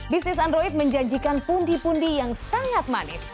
bisnis android menjanjikan pundi pundi yang sangat manis